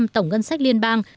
một tổng ngân sách liên bang